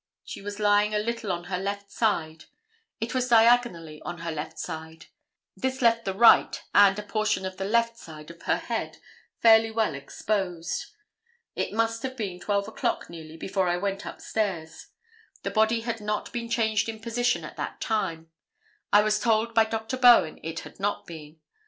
She was lying a little on her left side; it was diagonally on her left side; this left the right and a portion of the left side of her head fairly well exposed; it must have been 12 o'clock nearly before I went upstairs; the body had not been changed in position at that time; I was told by Dr. Bowen it had not been.